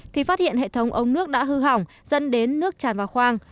thì phát hiện hệ thống ống nước đã hư hỏng dẫn đến nước tràn vào khoang